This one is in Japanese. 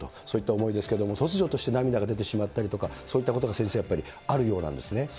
そういった思いですけれども、突如として涙が出てしまったりとか、そういったことが先生、やっぱりあるようなんですね。